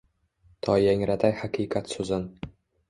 To yangratay haqiqat sozin.